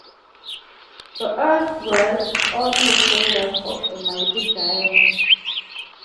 The earth rests on the shoulders of a mighty giant.